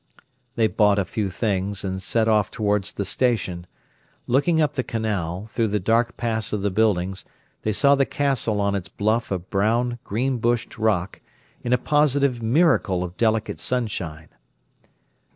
They bought a few things, and set off towards the station. Looking up the canal, through the dark pass of the buildings, they saw the Castle on its bluff of brown, green bushed rock, in a positive miracle of delicate sunshine.